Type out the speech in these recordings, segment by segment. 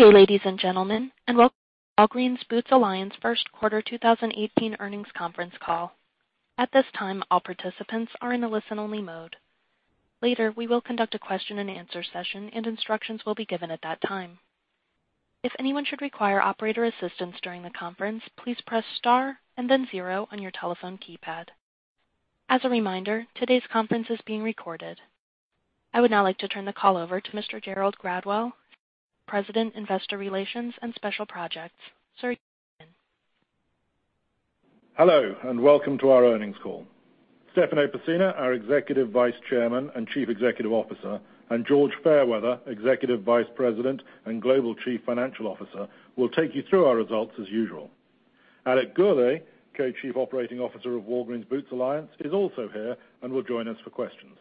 Good day, ladies and gentlemen. Welcome to Walgreens Boots Alliance first quarter 2018 earnings conference call. At this time, all participants are in a listen-only mode. Later, we will conduct a question and answer session, and instructions will be given at that time. If anyone should require operator assistance during the conference, please press star and then zero on your telephone keypad. As a reminder, today's conference is being recorded. I would now like to turn the call over to Mr. Gerald Gradwell, President, Investor Relations and Special Projects. Sir, you may begin. Hello. Welcome to our earnings call. Stefano Pessina, our Executive Vice Chairman and Chief Executive Officer, and George Fairweather, Executive Vice President and Global Chief Financial Officer, will take you through our results as usual. Alex Gourlay, Co-Chief Operating Officer of Walgreens Boots Alliance, is also here and will join us for questions.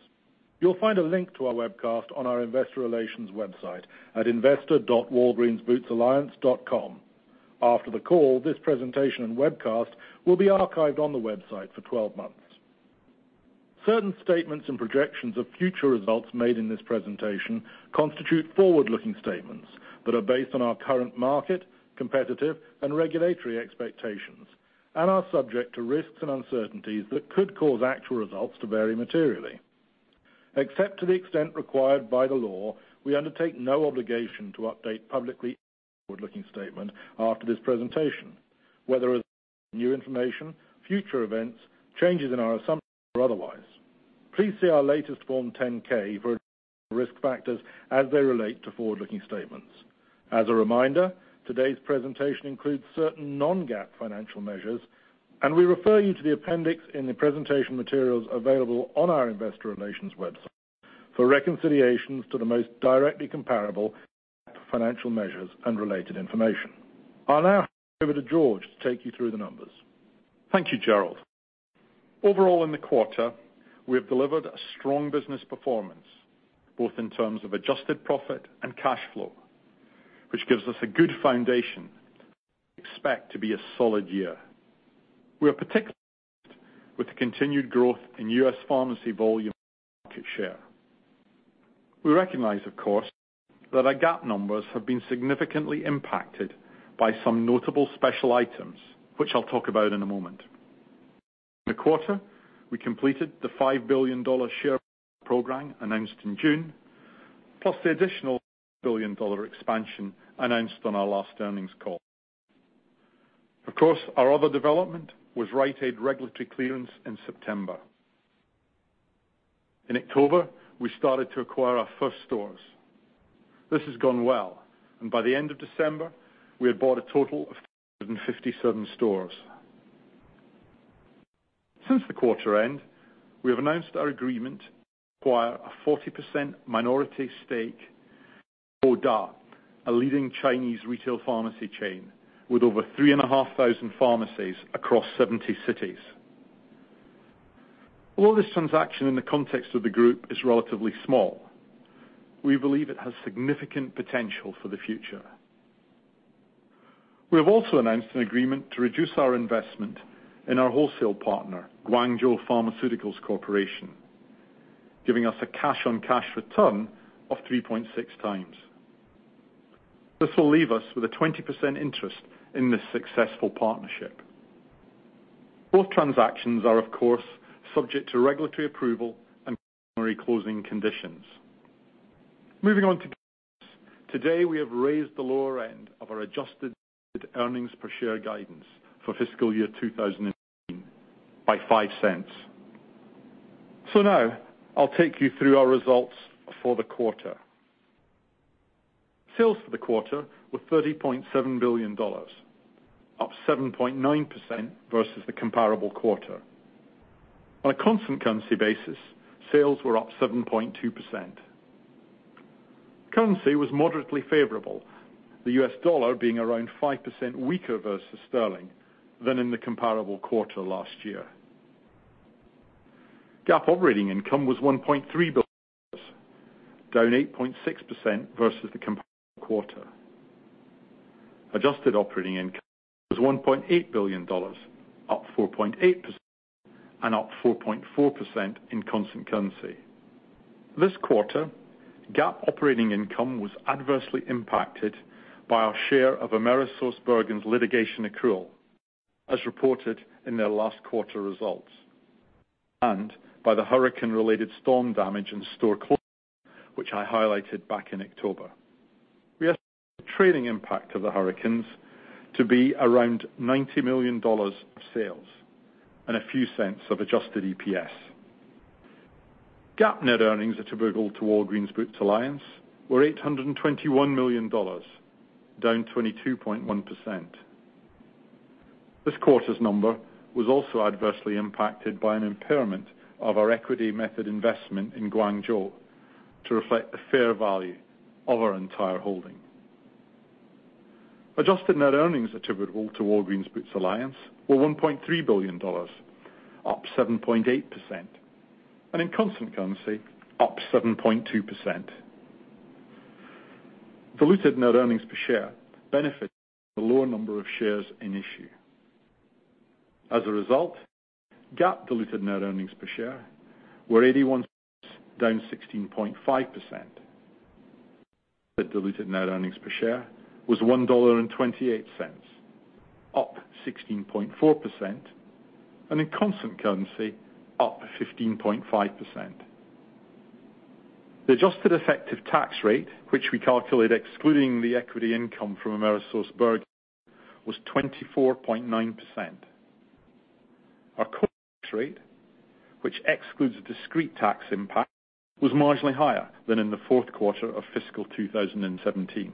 You'll find a link to our webcast on our investor relations website at investor.walgreensbootsalliance.com. After the call, this presentation and webcast will be archived on the website for 12 months. Certain statements and projections of future results made in this presentation constitute forward-looking statements that are based on our current market, competitive, and regulatory expectations, are subject to risks and uncertainties that could cause actual results to vary materially. Except to the extent required by the law, we undertake no obligation to update publicly any forward-looking statement after this presentation, whether as a result of new information, future events, changes in our assumptions, or otherwise. Please see our latest Form 10-K for additional risk factors as they relate to forward-looking statements. As a reminder, today's presentation includes certain non-GAAP financial measures. We refer you to the appendix in the presentation materials available on our investor relations website for reconciliations to the most directly comparable GAAP financial measures and related information. I'll now hand over to George to take you through the numbers. Thank you, Gerald. Overall, in the quarter, we have delivered a strong business performance, both in terms of adjusted profit and cash flow, which gives us a good foundation for what we expect to be a solid year. We are particularly pleased with the continued growth in U.S. pharmacy volume and market share. We recognize, of course, that our GAAP numbers have been significantly impacted by some notable special items, which I'll talk about in a moment. During the quarter, we completed the $5 billion share repurchase program announced in June, plus the additional $1 billion expansion announced on our last earnings call. Of course, our other development was Rite Aid regulatory clearance in September. In October, we started to acquire our first stores. This has gone well, and by the end of December, we had bought a total of 357 stores. Since the quarter end, we have announced our agreement to acquire a 40% minority stake in GuoDa, a leading Chinese retail pharmacy chain with over 3,500 pharmacies across 70 cities. Although this transaction in the context of the group is relatively small, we believe it has significant potential for the future. We have also announced an agreement to reduce our investment in our wholesale partner, Guangzhou Pharmaceuticals Corporation, giving us a cash-on-cash return of 3.6 times. This will leave us with a 20% interest in this successful partnership. Both transactions are, of course, subject to regulatory approval and customary closing conditions. Moving on to guidance. Today, we have raised the lower end of our adjusted earnings per share guidance for fiscal year 2018 by $0.05. Now, I'll take you through our results for the quarter. Sales for the quarter were $30.7 billion, up 7.9% versus the comparable quarter. On a constant currency basis, sales were up 7.2%. Currency was moderately favorable, the US dollar being around 5% weaker versus sterling than in the comparable quarter last year. GAAP operating income was $1.3 billion, down 8.6% versus the comparable quarter. Adjusted operating income was $1.8 billion, up 4.8%, and up 4.4% in constant currency. This quarter, GAAP operating income was adversely impacted by our share of AmerisourceBergen's litigation accrual, as reported in their last quarter results, and by the hurricane-related storm damage and store closures, which I highlighted back in October. We estimate the trading impact of the hurricanes to be around $90 million of sales and a few cents of adjusted EPS. GAAP net earnings attributable to Walgreens Boots Alliance were $821 million, down 22.1%. This quarter's number was also adversely impacted by an impairment of our equity method investment in Guangzhou to reflect the fair value of our entire holding. Adjusted net earnings attributable to Walgreens Boots Alliance were $1.3 billion, up 7.8%, and in constant currency, up 7.2%. Diluted net earnings per share benefited from the lower number of shares in issue. As a result, GAAP diluted net earnings per share were $0.81, down 16.5%. Diluted net earnings per share was $1.28, up 16.4%, and in constant currency, up 15.5%. The adjusted effective tax rate, which we calculate excluding the equity income from AmerisourceBergen, was 24.9%. Our tax rate, which excludes discrete tax impact, was marginally higher than in the fourth quarter of fiscal 2017.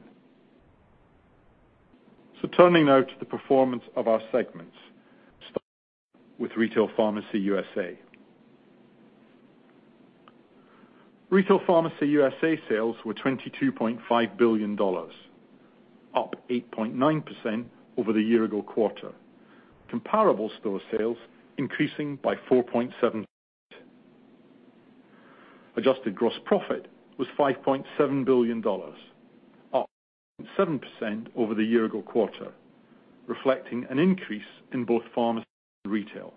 Turning now to the performance of our segments, starting with Retail Pharmacy USA. Retail Pharmacy USA sales were $22.5 billion, up 8.9% over the year ago quarter. Comparable store sales increasing by 4.7%. Adjusted gross profit was $5.7 billion, up 7% over the year ago quarter, reflecting an increase in both pharmacy and retail.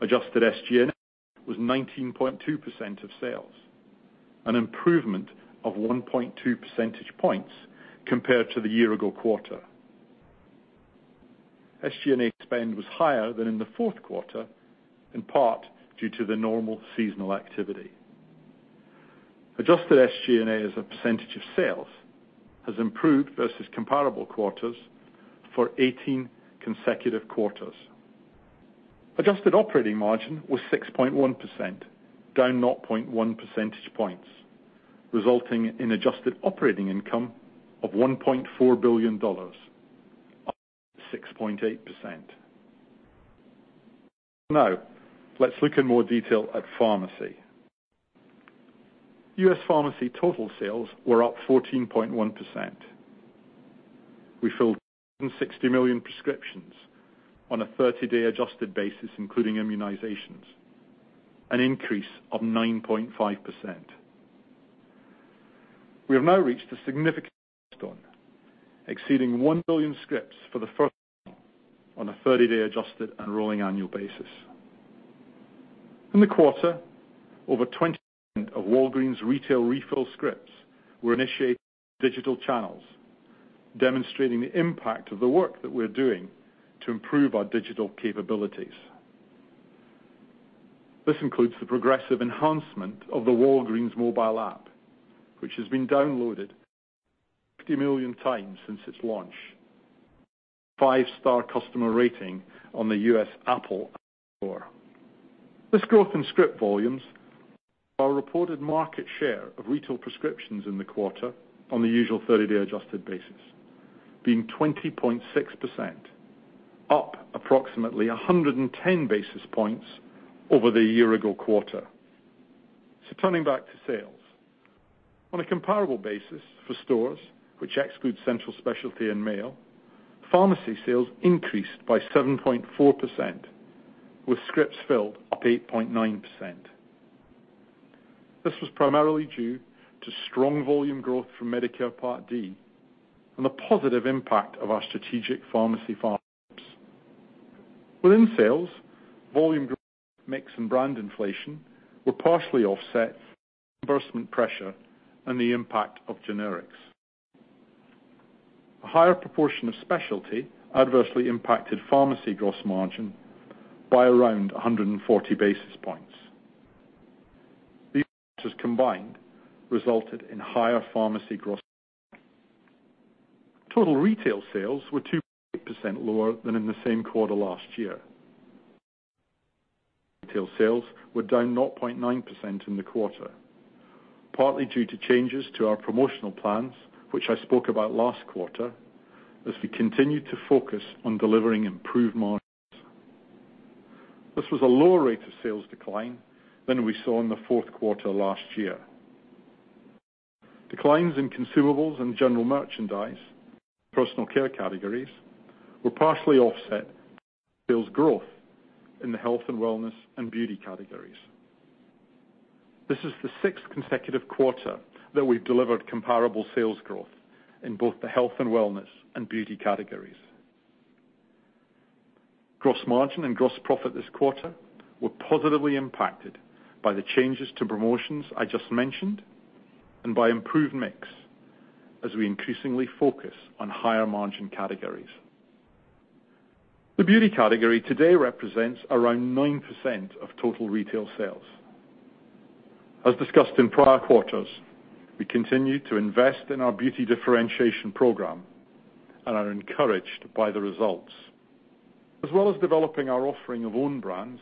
Adjusted SG&A was 19.2% of sales, an improvement of 1.2 percentage points compared to the year ago quarter. SG&A spend was higher than in the fourth quarter, in part due to the normal seasonal activity. Adjusted SG&A as a percentage of sales has improved versus comparable quarters for 18 consecutive quarters. Adjusted operating margin was 6.1%, down 0.1 percentage points, resulting in adjusted operating income of $1.4 billion, up 6.8%. Now, let's look in more detail at pharmacy. U.S. pharmacy total sales were up 14.1%. We filled 160 million prescriptions on a 30-day adjusted basis, including immunizations, an increase of 9.5%. We have now reached a significant milestone, exceeding 1 billion scripts for the first time on a 30-day adjusted and rolling annual basis. In the quarter, over 20% of Walgreens retail refill scripts were initiated digital channels, demonstrating the impact of the work that we're doing to improve our digital capabilities. This includes the progressive enhancement of the Walgreens mobile app, which has been downloaded 50 million times since its launch. 5-star customer rating on the U.S. Apple App Store. This growth in script volumes, our reported market share of retail prescriptions in the quarter on the usual 30-day adjusted basis, being 20.6%, up approximately 110 basis points over the year-ago quarter. Turning back to sales. On a comparable basis for stores which exclude central specialty and mail, pharmacy sales increased by 7.4%, with scripts filled up 8.9%. This was primarily due to strong volume growth from Medicare Part D and the positive impact of our strategic pharmacy partnerships. Within sales, volume mix and brand inflation were partially offset by reimbursement pressure and the impact of generics. A higher proportion of specialty adversely impacted pharmacy gross margin by around 140 basis points. These factors combined resulted in higher pharmacy gross. Total retail sales were 2% lower than in the same quarter last year. Retail sales were down 0.9% in the quarter, partly due to changes to our promotional plans, which I spoke about last quarter, as we continue to focus on delivering improved margins. This was a lower rate of sales decline than we saw in the fourth quarter last year. Declines in consumables and general merchandise, personal care categories were partially offset sales growth in the health and wellness and beauty categories. This is the sixth consecutive quarter that we've delivered comparable sales growth in both the health and wellness and beauty categories. Gross margin and gross profit this quarter were positively impacted by the changes to promotions I just mentioned and by improved mix as we increasingly focus on higher margin categories. The beauty category today represents around 9% of total retail sales. As discussed in prior quarters, we continue to invest in our beauty differentiation program and are encouraged by the results. As well as developing our offering of own brands,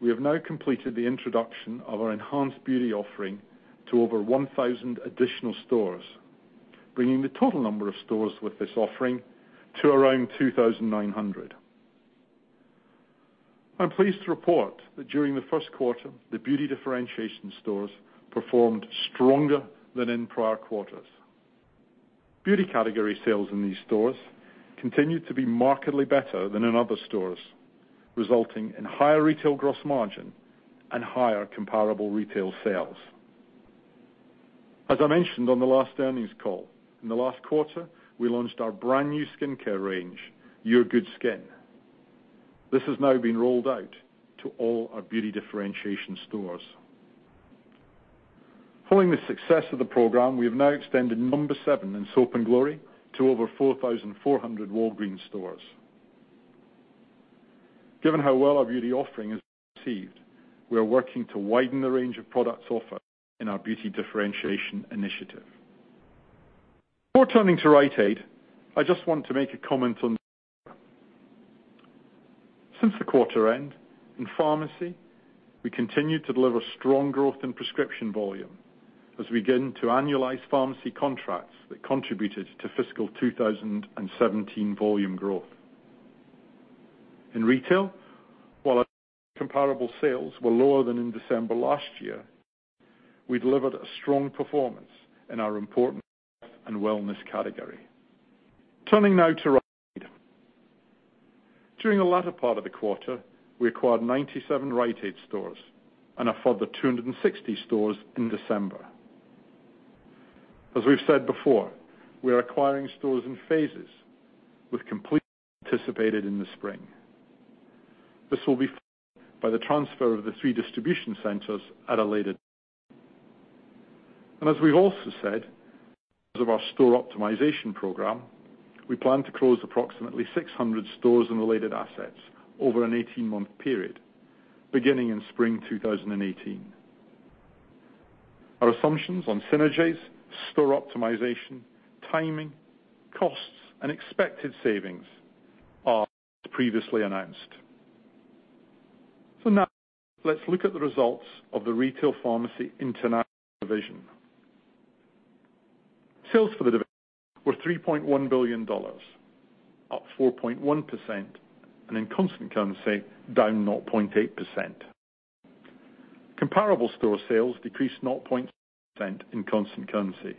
we have now completed the introduction of our enhanced beauty offering to over 1,000 additional stores, bringing the total number of stores with this offering to around 2,900. I'm pleased to report that during the first quarter, the beauty differentiation stores performed stronger than in prior quarters. Beauty category sales in these stores continued to be markedly better than in other stores, resulting in higher retail gross margin and higher comparable retail sales. As I mentioned on the last earnings call, in the last quarter, we launched our brand new skincare range, YourGoodSkin. This has now been rolled out to all our beauty differentiation stores. Following the success of the program, we have now extended No7 and Soap & Glory to over 4,400 Walgreens stores. Given how well our beauty offering is received, we are working to widen the range of products offered in our beauty differentiation initiative. Before turning to Rite Aid, I just want to make a comment on. Since the quarter end, in pharmacy, we continued to deliver strong growth in prescription volume as we begin to annualize pharmacy contracts that contributed to fiscal 2017 volume growth. In retail, while our comparable sales were lower than in December last year, we delivered a strong performance in our important health and wellness category. Turning now to Rite Aid. During the latter part of the quarter, we acquired 97 Rite Aid stores and a further 260 stores in December. As we've said before, we are acquiring stores in phases, with completion anticipated in the spring. This will be followed by the transfer of the three distribution centers at a later date. As we've also said, as of our store optimization program, we plan to close approximately 600 stores and related assets over an 18-month period, beginning in spring 2018. Our assumptions on synergies, store optimization, timing, costs, and expected savings are as previously announced. Now let's look at the results of the Retail Pharmacy International division. Sales for the division were $3.1 billion, up 4.1%, and in constant currency, down 0.8%. Comparable store sales decreased 0.6% in constant currency.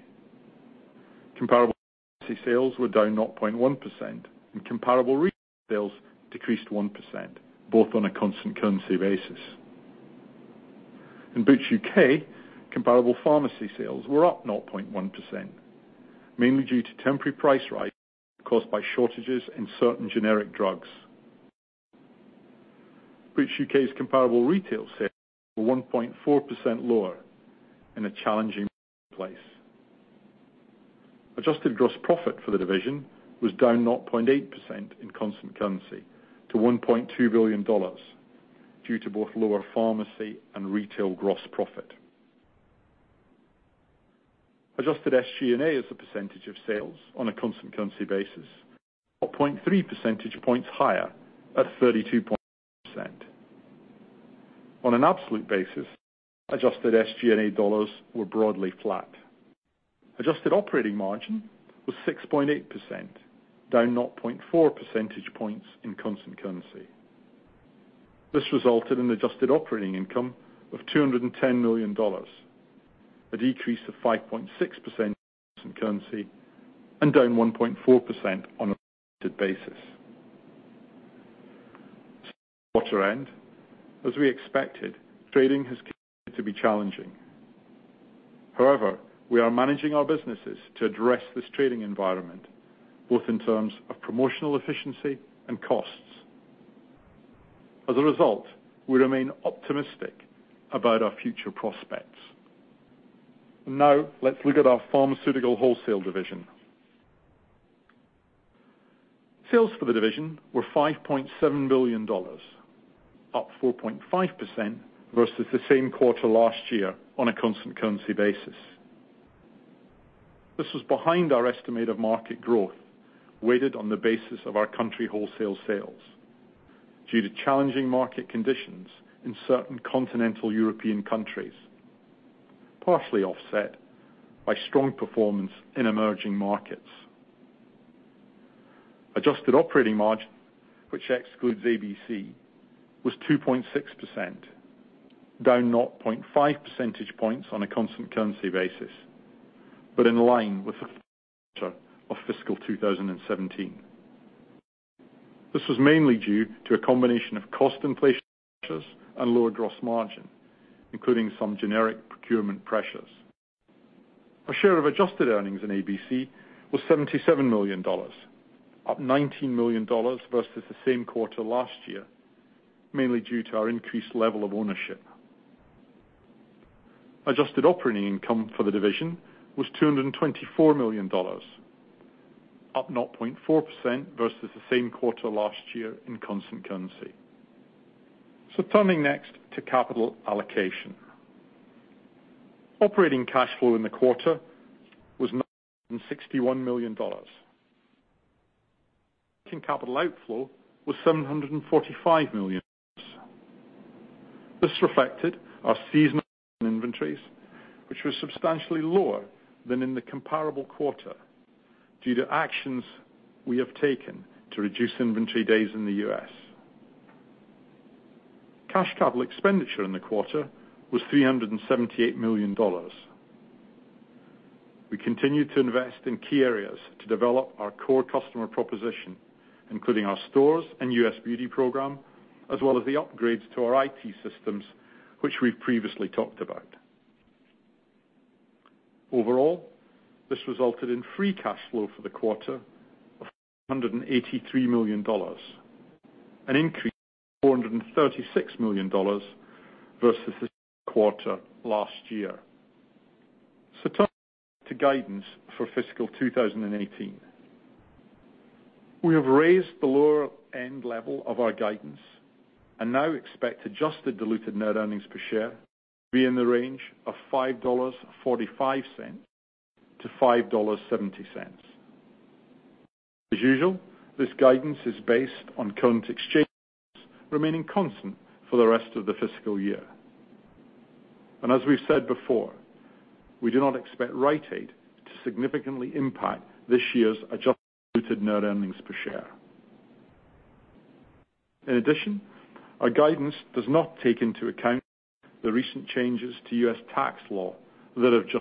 Comparable pharmacy sales were down 0.1%, and comparable retail sales decreased 1%, both on a constant currency basis. In Boots UK, comparable pharmacy sales were up 0.1%, mainly due to temporary price rises caused by shortages in certain generic drugs. Boots UK's comparable retail sales were 1.4% lower in a challenging marketplace. Adjusted gross profit for the division was down 0.8% in constant currency to $1.2 billion due to both lower pharmacy and retail gross profit. Adjusted SG&A as a percentage of sales on a constant currency basis, up 0.3 percentage points higher at 32.6%. On an absolute basis, adjusted SG&A dollars were broadly flat. Adjusted operating margin was 6.8%, down 0.4 percentage points in constant currency. This resulted in adjusted operating income of $210 million, a decrease of 5.6% in constant currency and down 1.4% on an absolute basis. Since the quarter end, as we expected, trading has continued to be challenging. However, we are managing our businesses to address this trading environment, both in terms of promotional efficiency and costs. As a result, we remain optimistic about our future prospects. Let's look at our Pharmaceutical Wholesale division. Sales for the division were $5.7 billion, up 4.5% versus the same quarter last year on a constant currency basis. This was behind our estimate of market growth, weighted on the basis of our country wholesale sales due to challenging market conditions in certain continental European countries, partially offset by strong performance in emerging markets. Adjusted operating margin, which excludes ABC, was 2.6%, down 0.5 percentage points on a constant currency basis, but in line with the fourth quarter of fiscal 2017. This was mainly due to a combination of cost inflation pressures and lower gross margin, including some generic procurement pressures. Our share of adjusted earnings in ABC was $77 million, up $19 million versus the same quarter last year, mainly due to our increased level of ownership. Adjusted operating income for the division was $224 million, up 0.4% versus the same quarter last year in constant currency. Turning next to capital allocation. Operating cash flow in the quarter was $961 million. Working capital outflow was $745 million. This reflected our seasonal inventories, which were substantially lower than in the comparable quarter due to actions we have taken to reduce inventory days in the U.S. Cash capital expenditure in the quarter was $378 million. We continue to invest in key areas to develop our core customer proposition, including our stores and U.S. Beauty program, as well as the upgrades to our IT systems, which we've previously talked about. Overall, this resulted in free cash flow for the quarter of $183 million, an increase of $436 million versus this quarter last year. Turning to guidance for fiscal 2018. We have raised the lower end level of our guidance and now expect adjusted diluted net earnings per share to be in the range of $5.45 to $5.70. As usual, this guidance is based on current exchange rates remaining constant for the rest of the fiscal year. As we've said before, we do not expect Rite Aid to significantly impact this year's adjusted diluted net earnings per share. In addition, our guidance does not take into account the recent changes to U.S. tax law that have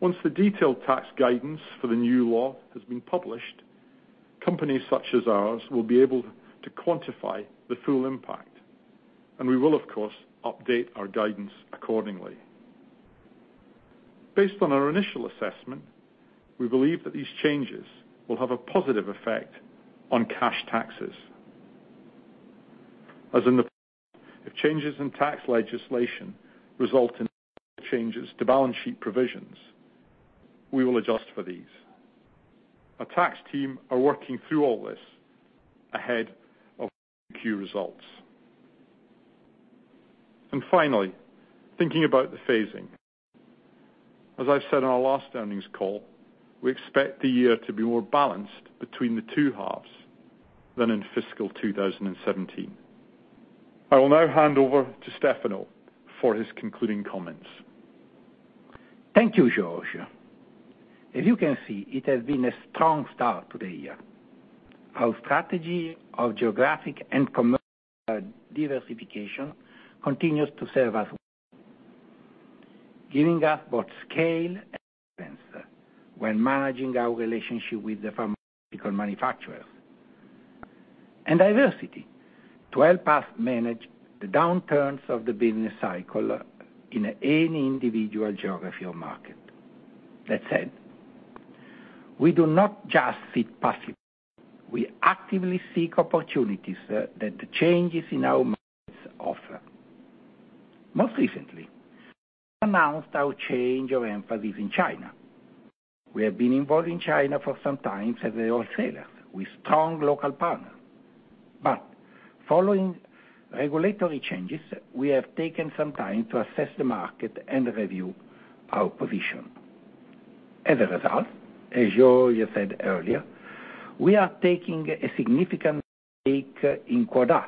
just occurred. Once the detailed tax guidance for the new law has been published, companies such as ours will be able to quantify the full impact, and we will, of course, update our guidance accordingly. Based on our initial assessment, we believe that these changes will have a positive effect on cash taxes. As in the past, if changes in tax legislation result in material changes to balance sheet provisions, we will adjust for these. Our tax team are working through all this ahead of our Q results. Finally, thinking about the phasing. As I've said on our last earnings call, we expect the year to be more balanced between the two halves than in fiscal 2017. I will now hand over to Stefano for his concluding comments. Thank you, George. As you can see, it has been a strong start to the year. Our strategy of geographic and commercial diversification continues to serve us well, giving us both scale and resilience when managing our relationship with the pharmaceutical manufacturers, and diversity to help us manage the downturns of the business cycle in any individual geography or market. That said, we do not just sit passively. We actively seek opportunities that the changes in our markets offer. Most recently, we announced our change of emphasis in China. We have been involved in China for some time as a wholesaler with strong local partners. Following regulatory changes, we have taken some time to assess the market and review our position. As a result, as George said earlier, we are taking a significant stake in GuoDa,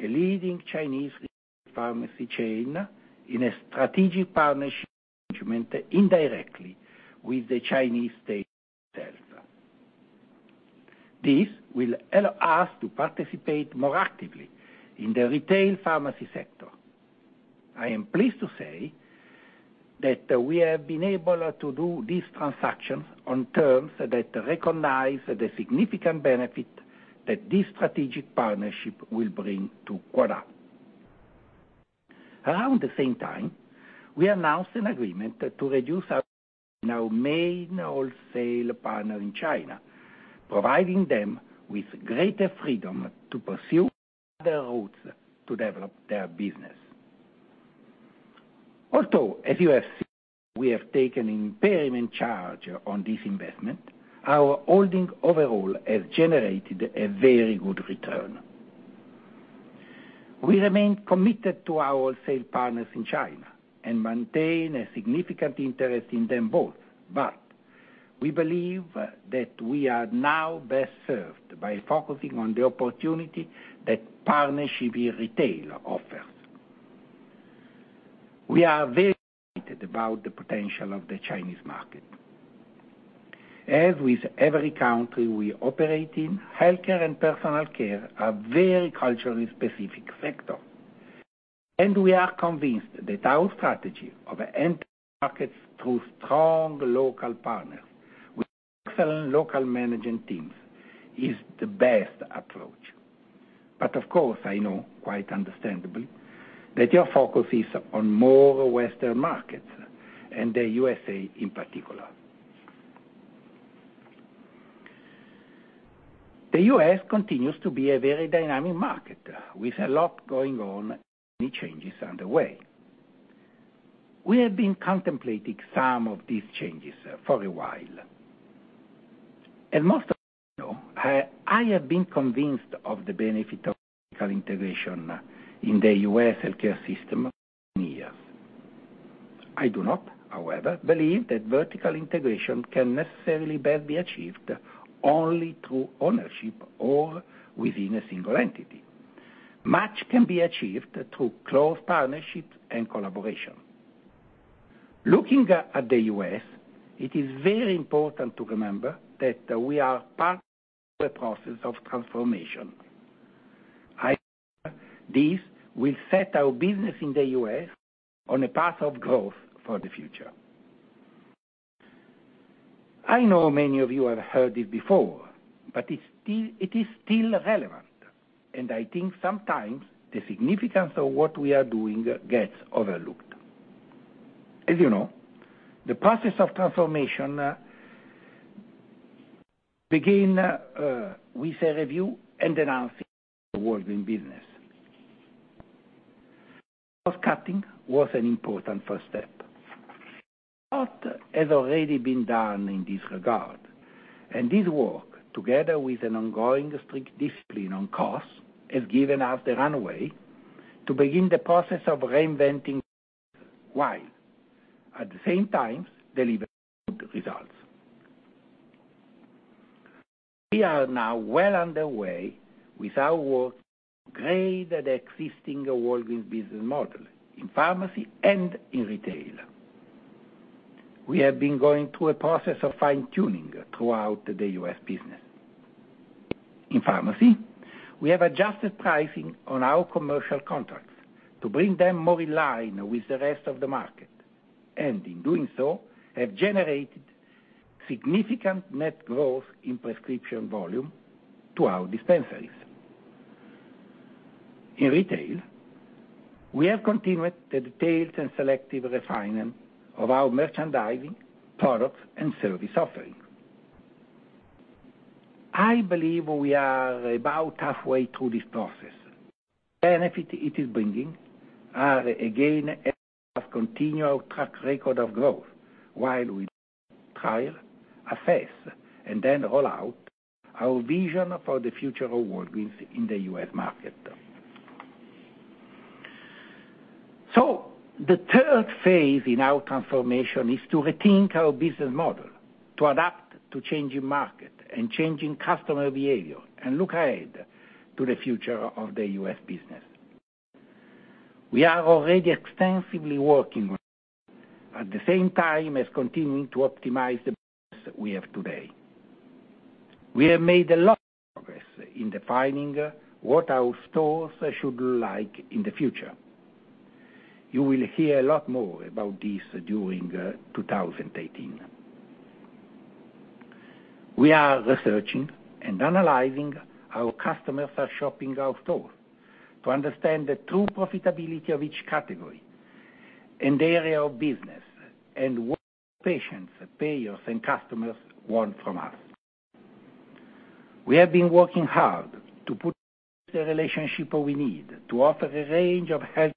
a leading Chinese retail pharmacy chain, in a strategic partnership arrangement indirectly with the Chinese state itself. This will allow us to participate more actively in the retail pharmacy sector. I am pleased to say that we have been able to do this transaction on terms that recognize the significant benefit that this strategic partnership will bring to GuoDa. Around the same time, we announced an agreement to reduce our stake in our main wholesale partner in China, providing them with greater freedom to pursue other routes to develop their business. Although, as you have seen, we have taken impairment charge on this investment, our holding overall has generated a very good return. We remain committed to our wholesale partners in China and maintain a significant interest in them both. We believe that we are now best served by focusing on the opportunity that partnership in retail offers. We are very excited about the potential of the Chinese market. As with every country we operate in, healthcare and personal care are very culturally specific sectors. We are convinced that our strategy of entering markets through strong local partners with excellent local managing teams is the best approach. Of course, I know, quite understandably, that your focus is on more Western markets and the U.S. in particular. The U.S. continues to be a very dynamic market with a lot going on and many changes underway. We have been contemplating some of these changes for a while. As most of you know, I have been convinced of the benefit of vertical integration in the U.S. healthcare system for many years. I do not, however, believe that vertical integration can necessarily best be achieved only through ownership or within a single entity. Much can be achieved through close partnerships and collaboration. Looking at the U.S., it is very important to remember that we are part of a process of transformation. I believe this will set our business in the U.S. on a path of growth for the future. I know many of you have heard this before, but it is still relevant, and I think sometimes the significance of what we are doing gets overlooked. As you know, the process of transformation began with a review and announcing the Walgreens business. Cost-cutting was an important first step. A lot has already been done in this regard, and this work, together with an ongoing strict discipline on costs, has given us the runway to begin the process of reinventing while at the same time delivering good results. We are now well underway with our work to upgrade the existing Walgreens business model in pharmacy and in retail. We have been going through a process of fine-tuning throughout the U.S. business. In pharmacy, we have adjusted pricing on our commercial contracts to bring them more in line with the rest of the market, and in doing so, have generated significant net growth in prescription volume to our dispensaries. In retail, we have continued the detailed and selective refinement of our merchandising, product, and service offering. I believe we are about halfway through this process. The benefits it is bringing are, again, as we have a continual track record of growth while we try, assess, and then roll out our vision for the future of Walgreens in the U.S. market. The third phase in our transformation is to rethink our business model, to adapt to changing markets and changing customer behavior, and look ahead to the future of the U.S. business. We are already extensively working on this, at the same time as continuing to optimize the business we have today. We have made a lot of progress in defining what our stores should look like in the future. You will hear a lot more about this during 2018. We are researching and analyzing how customers are shopping our stores to understand the true profitability of each category and area of business and what patients, payers, and customers want from us. We have been working hard to put in place the relationship we need to offer a range of health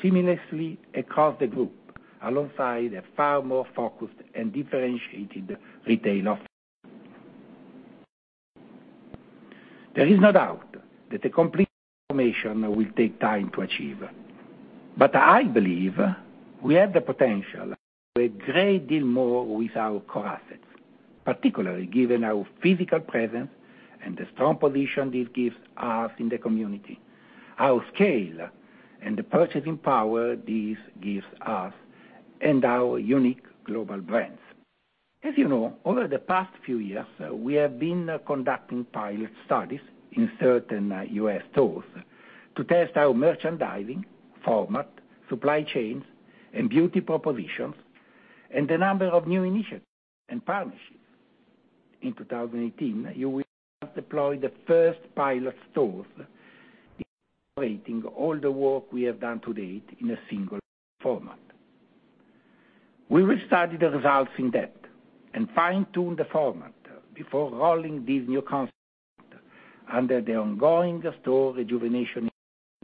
services seamlessly across the group, alongside a far more focused and differentiated retail offering. There is no doubt that a complete transformation will take time to achieve. I believe we have the potential to do a great deal more with our core assets, particularly given our physical presence and the strong position this gives us in the community, our scale and the purchasing power this gives us, and our unique global brands. As you know, over the past few years, we have been conducting pilot studies in certain U.S. stores to test our merchandising format, supply chains, and beauty propositions, and a number of new initiatives and partnerships. In 2018, you will see us deploy the first pilot stores, integrating all the work we have done to date in a single format. We will study the results in depth and fine-tune the format before rolling this new concept under the ongoing store rejuvenation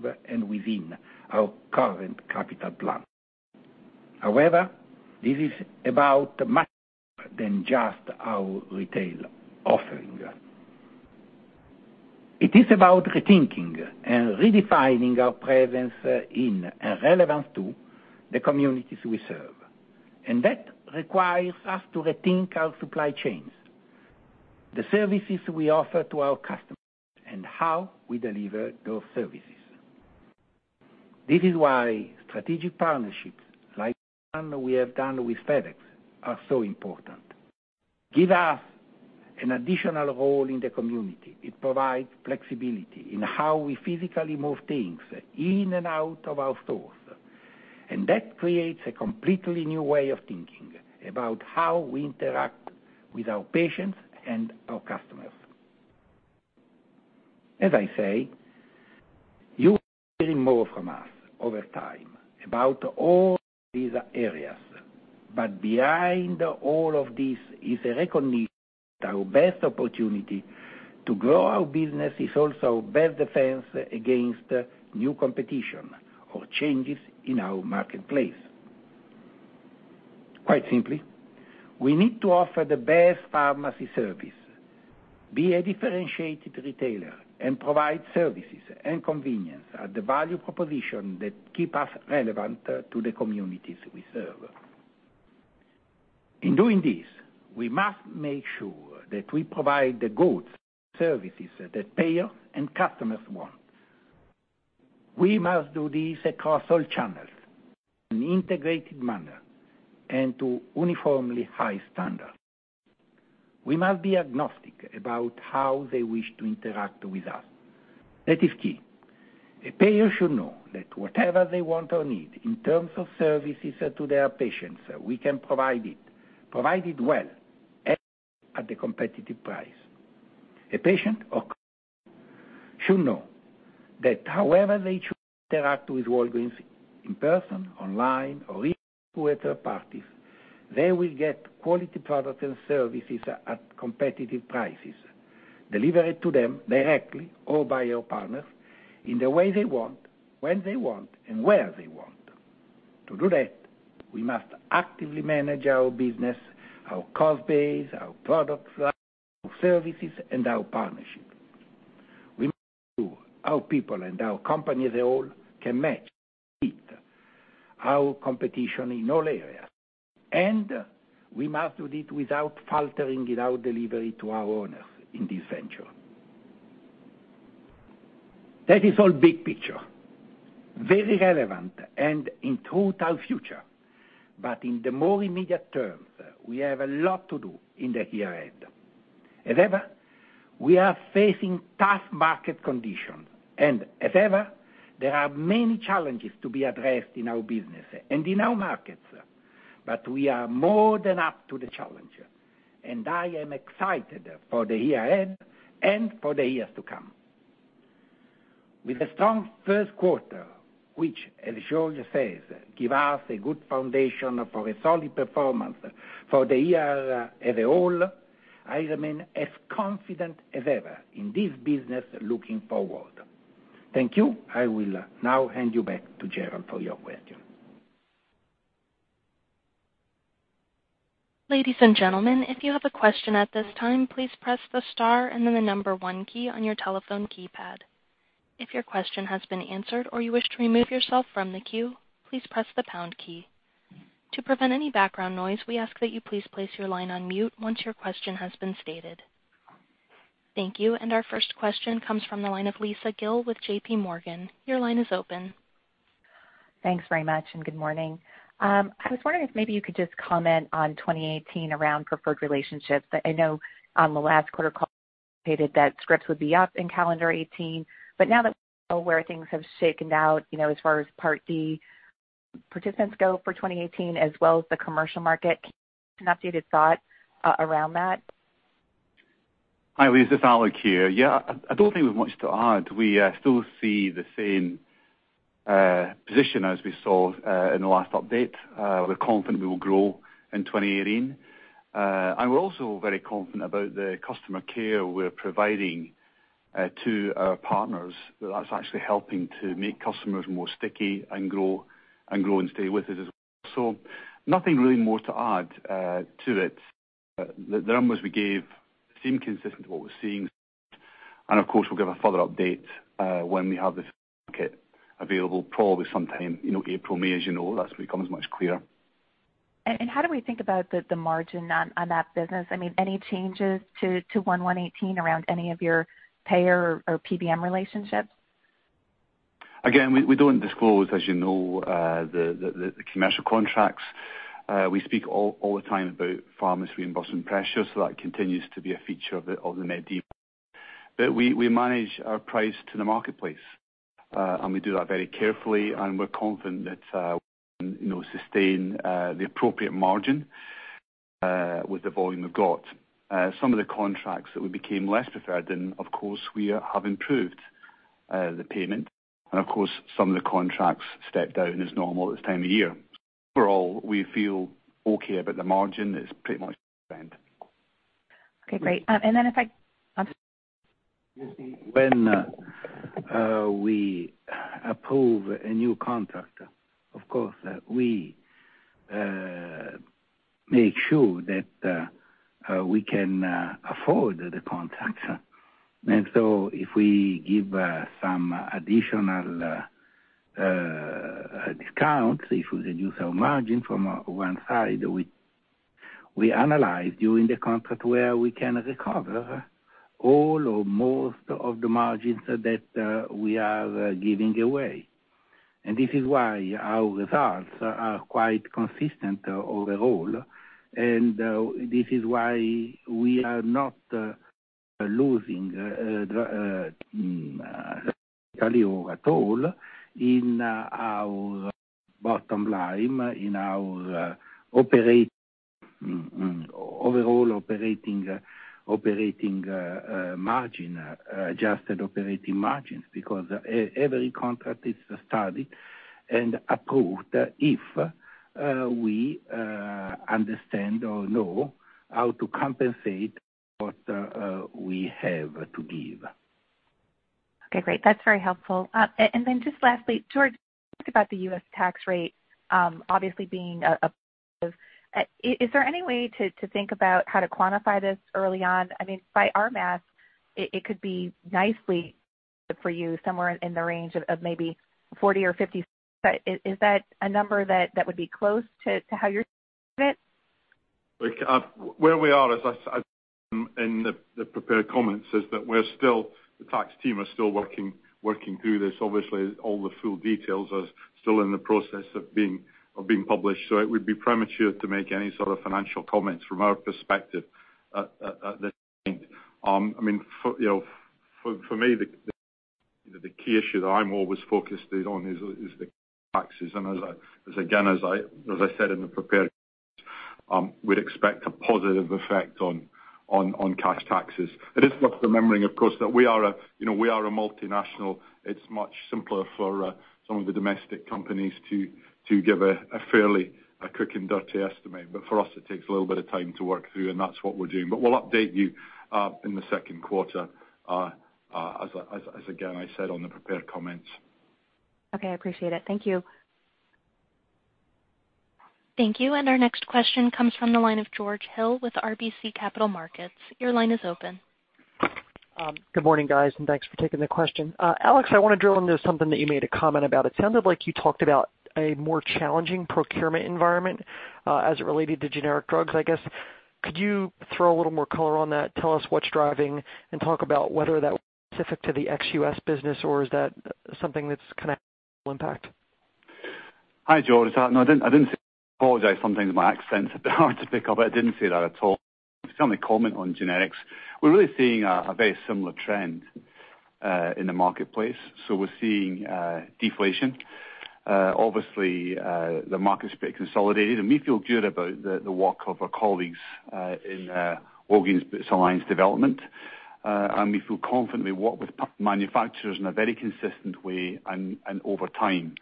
initiative and within our current capital plan. However, this is about much more than just our retail offering. It is about rethinking and redefining our presence in, and relevance to, the communities we serve. That requires us to rethink our supply chains, the services we offer to our customers, and how we deliver those services. This is why strategic partnerships like the one we have done with FedEx are so important. Give us an additional role in the community. It provides flexibility in how we physically move things in and out of our stores, that creates a completely new way of thinking about how we interact with our patients and our customers. As I say, you will be hearing more from us over time about all of these areas. Behind all of this is a recognition that our best opportunity to grow our business is also our best defense against new competition or changes in our marketplace. Quite simply, we need to offer the best pharmacy service, be a differentiated retailer, and provide services and convenience at the value proposition that keep us relevant to the communities we serve. In doing this, we must make sure that we provide the goods and services that payer and customers want. We must do this across all channels in an integrated manner and to uniformly high standards. We must be agnostic about how they wish to interact with us. That is key. A payer should know that whatever they want or need in terms of services to their patients, we can provide it, provide it well, and at a competitive price. A patient or customer should know that however they choose to interact with Walgreens, in person, online, or even through third parties, they will get quality products and services at competitive prices, delivered to them directly or by our partners in the way they want, when they want, and where they want. To do that, we must actively manage our business, our cost base, our product flow, our services, and our partnerships. We must ensure our people and our company as a whole can match or beat our competition in all areas. We must do it without faltering in our delivery to our owners in this venture. That is all big picture, very relevant, and in truth, our future. In the more immediate terms, we have a lot to do in the year ahead. As ever, we are facing tough market conditions. As ever, there are many challenges to be addressed in our business and in our markets. We are more than up to the challenge, and I am excited for the year ahead and for the years to come. With a strong first quarter, which, as George says, gives us a good foundation for a solid performance for the year as a whole, I remain as confident as ever in this business looking forward. Thank you. I will now hand you back to Gerald for your questions. Ladies and gentlemen, if you have a question at this time, please press the star and then the number one key on your telephone keypad. If your question has been answered or you wish to remove yourself from the queue, please press the pound key. To prevent any background noise, we ask that you please place your line on mute once your question has been stated. Thank you. Our first question comes from the line of Lisa Gill with JPMorgan. Your line is open. Thanks very much. Good morning. I was wondering if maybe you could just comment on 2018 around preferred relationships. I know on the last quarter call, you indicated that scripts would be up in calendar 2018. But now that we know where things have shaken out as far as Part D participants go for 2018 as well as the commercial market, can you give us an updated thought around that? Hi, Lisa. It's Alex here. Yeah, I don't think we've much to add. We still see the same position as we saw in the last update. We're confident we will grow in 2018. We're also very confident about the customer care we're providing to our partners. That's actually helping to make customers more sticky and grow and stay with us as well. Nothing really more to add to it. The numbers we gave seem consistent to what we're seeing so far, and of course, we'll give a further update when we have this full market available, probably sometime April, May, as you know. That's when it becomes much clearer. How do we think about the margin on that business? Any changes to 2018 around any of your payer or PBM relationships? Again, we don't disclose, as you know, the commercial contracts. We speak all the time about pharmacy reimbursement pressures, so that continues to be a feature of the net but we manage our price to the marketplace, and we do that very carefully, and we're confident that we can sustain the appropriate margin with the volume we've got. Some of the contracts that we became less preferred in, of course, we have improved the payment. Of course, some of the contracts stepped down as normal this time of year. Overall, we feel okay about the margin. It's pretty much as you'd expect. Okay, great. When we approve a new contract, of course, we make sure that we can afford the contract. If we give some additional discounts, if we reduce our margin from one side, we analyze during the contract where we can recover all or most of the margins that we are giving away. This is why our results are quite consistent overall, this is why we are not losing or at all in our bottom line, in our overall operating margin, adjusted operating margins. Because every contract is studied and approved if we understand or know how to compensate what we have to give. Okay, great. That's very helpful. Just lastly, George, you talked about the U.S. tax rate obviously being a positive. Is there any way to think about how to quantify this early on? By our math, it could be nicely positive for you, somewhere in the range of maybe $0.40 or $0.50. Is that a number that would be close to how you're thinking about it? Where we are, as I said in the prepared comments, is that the tax team are still working through this. Obviously, all the full details are still in the process of being published. It would be premature to make any sort of financial comments from our perspective at this point. For me, the key issue that I'm always focused on is the taxes. Again, as I said in the prepared comments, we'd expect a positive effect on cash taxes. It is worth remembering, of course, that we are a multinational. It's much simpler for some of the domestic companies to give a fairly quick and dirty estimate. For us, it takes a little bit of time to work through, and that's what we're doing. We'll update you in the second quarter, as again, I said on the prepared comments. Okay, I appreciate it. Thank you. Thank you. Our next question comes from the line of George Hill with RBC Capital Markets. Your line is open. Good morning, guys, thanks for taking the question. Alex, I want to drill into something that you made a comment about. It sounded like you talked about a more challenging procurement environment as it related to generic drugs, I guess. Could you throw a little more color on that, tell us what's driving, and talk about whether that was specific to the ex-U.S. business, or is that something that's going to have global impact? Hi, George. No, I didn't say that. I apologize. Sometimes my accent's a bit hard to pick up, but I didn't say that at all. If you want me to comment on generics, we're really seeing a very similar trend in the marketplace. We're seeing deflation. Obviously, the market's a bit consolidated, and we feel good about the work of our colleagues in Walgreens Boots Alliance Development. We feel confident we work with manufacturers in a very consistent way and over time.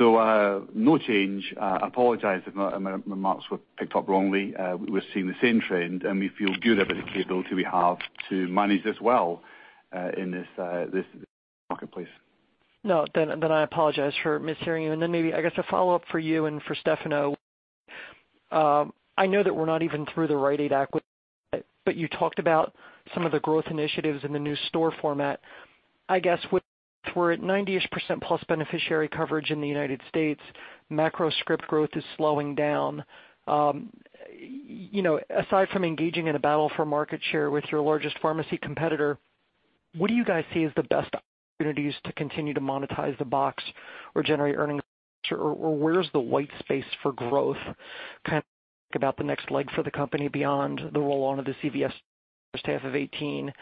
No change. Apologize if my remarks were picked up wrongly. We're seeing the same trend, and we feel good about the capability we have to manage this well in this marketplace. No, I apologize for mishearing you. Maybe, I guess a follow-up for you and for Stefano. I know that we're not even through the Rite Aid acquisition yet, but you talked about some of the growth initiatives in the new store format. I guess, if we're at 90-ish% plus beneficiary coverage in the U.S., macro script growth is slowing down. Aside from engaging in a battle for market share with your largest pharmacy competitor, what do you guys see as the best opportunities to continue to monetize the box or generate earnings? Where's the white space for growth? Kind of think about the next leg for the company beyond the roll-on of the CVS stores in the first half of 2018.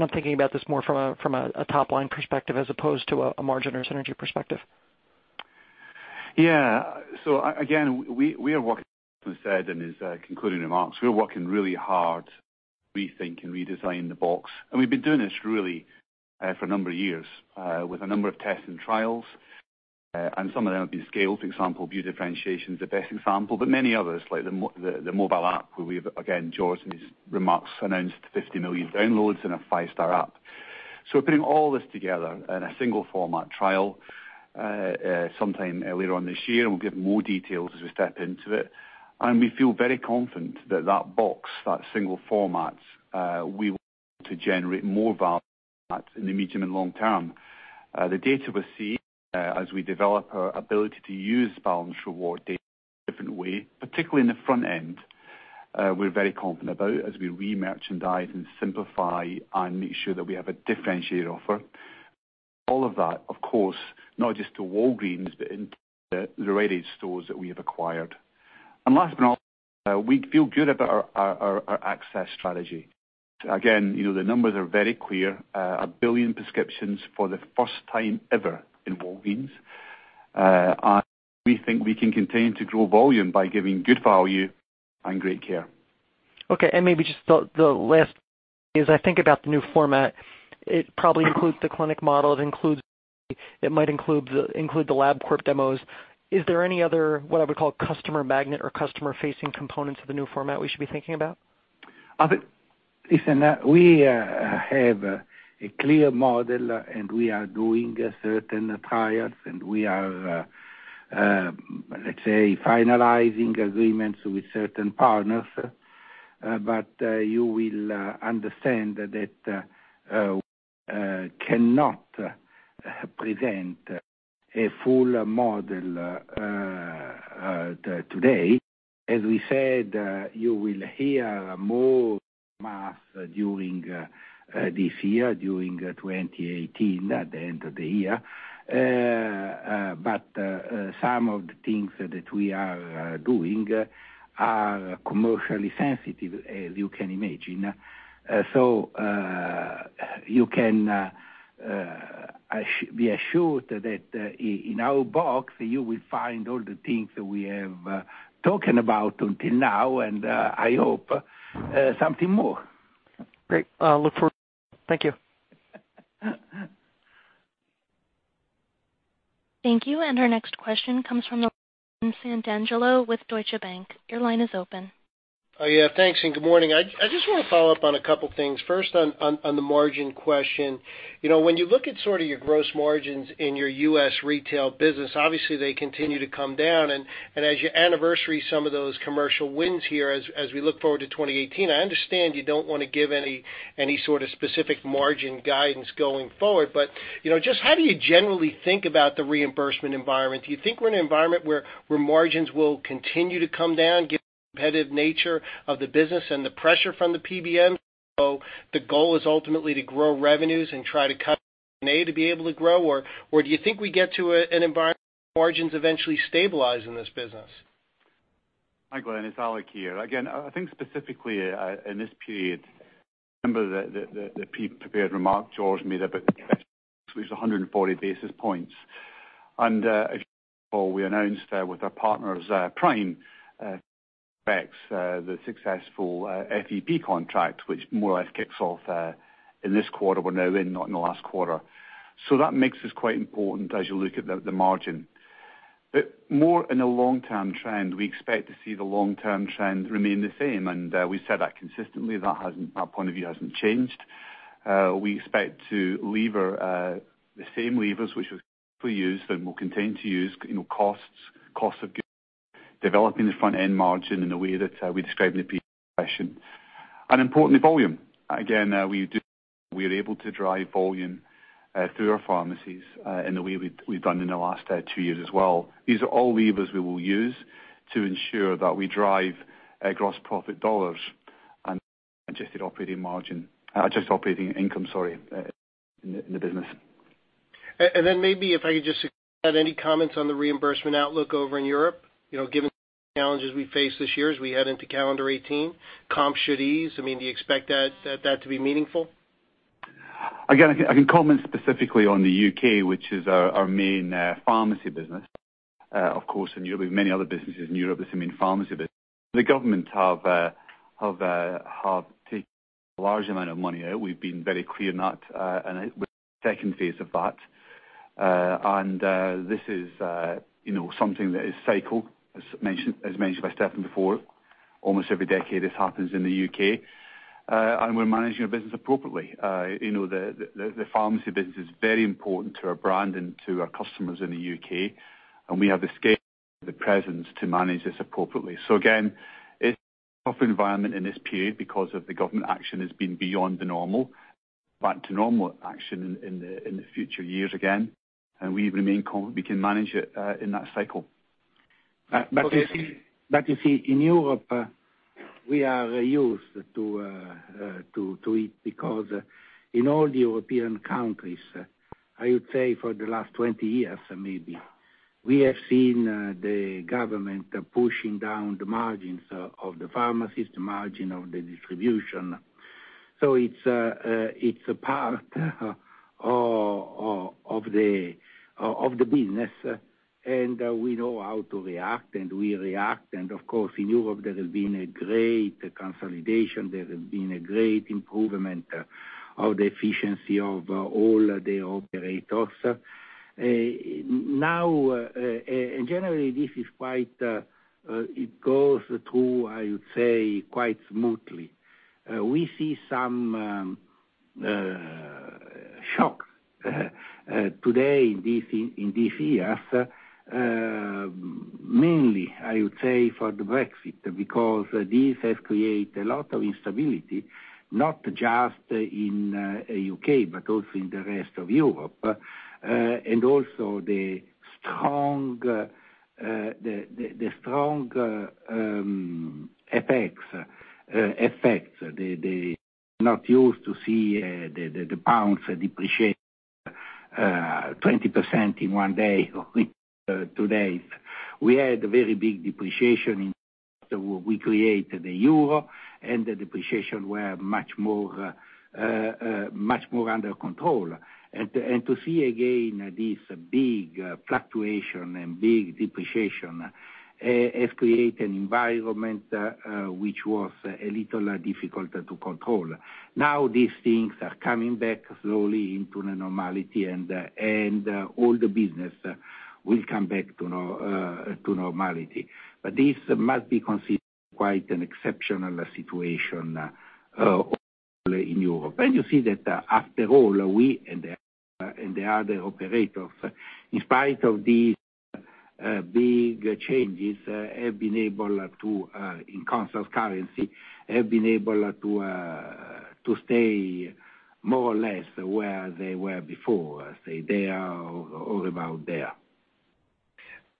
I'm thinking about this more from a top-line perspective as opposed to a margin or synergy perspective. Yeah. Again, as we said in his concluding remarks, we're working really hard rethinking, redesigning the box. We've been doing this really for a number of years with a number of tests and trials, and some of them have been scaled. For example, beauty differentiation is the best example, but many others, like the mobile app, where we have, again, George, in his remarks, announced 50 million downloads in a five-star app. We're putting all this together in a single format trial sometime later on this year, and we'll give more details as we step into it. We feel very confident that that box, that single format, we want to generate more value in the medium and long term. The data we're seeing as we develop our ability to use Balance Rewards data in a different way, particularly in the front end, we're very confident about as we re-merchandise and simplify and make sure that we have a differentiated offer. All of that, of course, not just to Walgreens, but into the Rite Aid stores that we have acquired. Last but not least, we feel good about our access strategy. Again, the numbers are very clear. A billion prescriptions for the first time ever in Walgreens. We think we can continue to grow volume by giving good value and great care. Okay. Maybe just the last, as I think about the new format, it probably includes the clinic model. It might include the LabCorp demos. Is there any other, what I would call customer magnet or customer-facing components of the new format we should be thinking about? Listen, we have a clear model, and we are doing certain trials, and we are, let's say, finalizing agreements with certain partners. You will understand that we cannot present a full model today. As we said, you will hear more from us during this year, during 2018, at the end of the year. Some of the things that we are doing are commercially sensitive, as you can imagine. You can be assured that in our box, you will find all the things that we have talked about until now, and I hope, something more. Great. Look forward to it. Thank you. Thank you. Our next question comes from the line of Santangelo with Deutsche Bank. Your line is open. Thanks, and good morning. I just want to follow up on a couple of things. First, on the margin question. When you look at sort of your gross margins in your U.S. retail business, obviously, they continue to come down. As you anniversary some of those commercial wins here as we look forward to 2018, I understand you don't want to give any sort of specific margin guidance going forward, but just how do you generally think about the reimbursement environment? Do you think we're in an environment where margins will continue to come down given competitive nature of the business and the pressure from the PBM. The goal is ultimately to grow revenues and try to cut SG&A to be able to grow? Or do you think we get to an environment where margins eventually stabilize in this business? Hi, Glen, it's Alex here. Again, I think specifically in this period, remember the prepared remark George made about the specialty mix, which is 140 basis points. As you recall, we announced with our partners, Prime, the successful FEP contract, which more or less kicks off in this quarter we're now in, not in the last quarter. That makes this quite important as you look at the margin. More in a long-term trend, we expect to see the long-term trend remain the same, and we said that consistently, that point of view hasn't changed. We expect to lever the same levers which we used and will continue to use, costs, cost of goods, developing the front-end margin in a way that we described in the session. Importantly, volume. We are able to drive volume through our pharmacies in the way we've done in the last two years as well. These are all levers we will use to ensure that we drive gross profit $ and adjusted operating income, sorry, in the business. Maybe if I could just add any comments on the reimbursement outlook over in Europe, given the challenges we face this year as we head into calendar 2018, comp should ease. Do you expect that to be meaningful? I can comment specifically on the U.K., which is our main pharmacy business. Of course, in Europe, we have many other businesses in Europe, this is main pharmacy business. The government have taken a large amount of money out. We've been very clear on that, and we're in the second phase of that. This is something that is cycled, as mentioned by Stefano before. Almost every decade this happens in the U.K. We're managing our business appropriately. The pharmacy business is very important to our brand and to our customers in the U.K., and we have the scale and the presence to manage this appropriately. Again, it's a tough environment in this period because of the government action has been beyond the normal. Back to normal action in the future years again, we remain calm. We can manage it in that cycle. You see, in Europe, we are used to it because in all the European countries, I would say for the last 20 years, maybe, we have seen the government pushing down the margins of the pharmacist, the margin of the distribution. It's a part of the business, and we know how to react, and we react. Of course, in Europe, there has been a great consolidation. There has been a great improvement of the efficiency of all the operators. Now, in general, it goes through, I would say, quite smoothly. We see some shock today in this year. Mainly, I would say, for the Brexit, because this has created a lot of instability, not just in U.K., but also in the rest of Europe. Also the strong FX. We're not used to see the pounds depreciate 20% in one day or two days. We had a very big depreciation when we created the EUR, the depreciation were much more under control. To see again this big fluctuation and big depreciation has created an environment which was a little difficult to control. Now these things are coming back slowly into normality and all the business will come back to normality. This must be considered quite an exceptional situation overall in Europe. You see that after all, we and the other operators, in spite of these big changes, have been able to, in constant currency, have been able to stay more or less where they were before. Say they are all about there.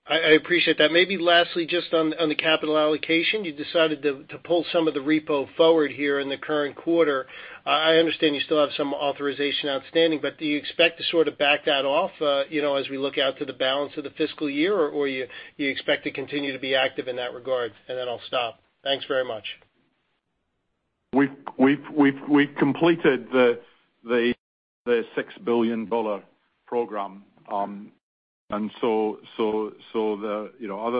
I appreciate that. Maybe lastly, just on the capital allocation, you decided to pull some of the repo forward here in the current quarter. I understand you still have some authorization outstanding, but do you expect to sort of back that off as we look out to the balance of the fiscal year, or you expect to continue to be active in that regard? Then I'll stop. Thanks very much. We completed the $6 billion program. Other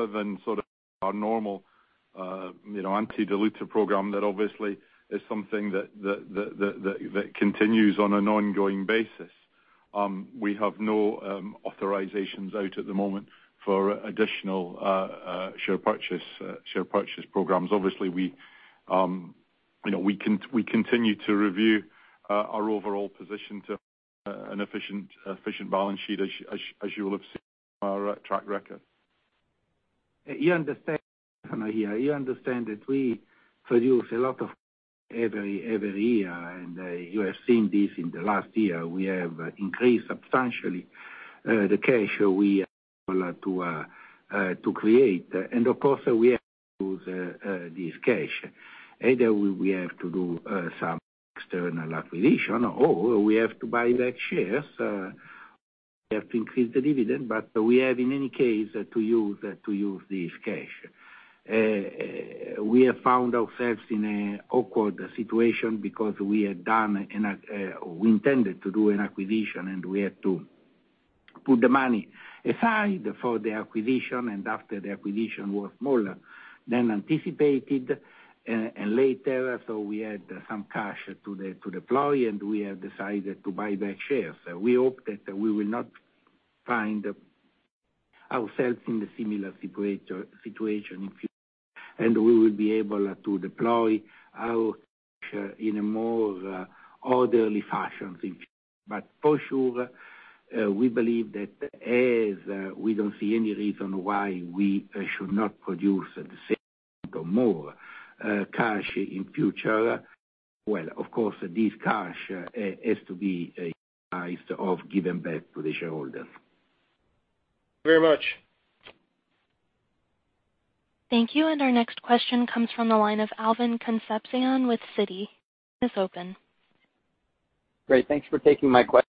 than sort of our normal anti-dilutive program, that obviously is something that continues on an ongoing basis. We have no authorizations out at the moment for additional share purchase programs. Obviously, we continue to review our overall position to have an efficient balance sheet as you will have seen from our track record. You understand that we produce a lot of cash every year. You have seen this in the last year, we have increased substantially the cash we are able to create. Of course, we have to use this cash. Either we have to do some external acquisition, or we have to buy back shares. We have to increase the dividend, we have, in any case, to use this cash. We have found ourselves in a awkward situation because we intended to do an acquisition. We had to put the money aside for the acquisition. After the acquisition was smaller than anticipated and later, so we had some cash to deploy, and we have decided to buy back shares. We hope that we will not find ourselves in the similar situation in future, we will be able to deploy our cash in a more orderly fashion in future. For sure, we believe that as we don't see any reason why we should not produce the same or more cash in future. Of course, this cash has to be utilized or given back to the shareholder. Thank you very much. Thank you. Our next question comes from the line of Alvin Concepcion with Citi. Your line is open. Great. Thanks for taking my question.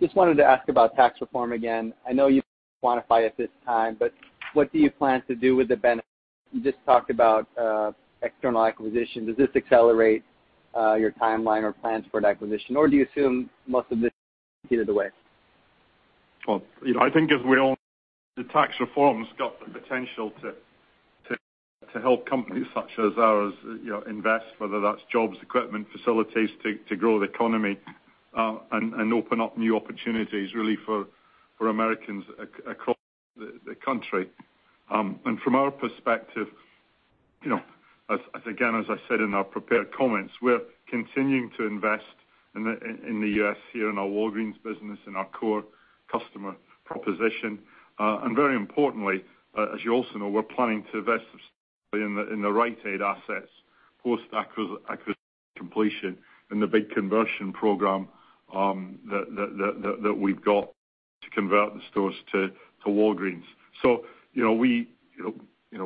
Just wanted to ask about tax reform again. I know you can't quantify at this time, what do you plan to do with the benefit? You just talked about external acquisition. Does this accelerate your timeline or plans for an acquisition, do you assume most of this either way? I think as we all know, the tax reform's got the potential to help companies such as ours invest, whether that's jobs, equipment, facilities, to grow the economy, and open up new opportunities really for Americans across the country. From our perspective, again, as I said in our prepared comments, we're continuing to invest in the U.S. here in our Walgreens business, in our core customer proposition. Very importantly, as you also know, we're planning to invest substantially in the Rite Aid assets, post-acquisition completion in the big conversion program that we've got to convert the stores to Walgreens.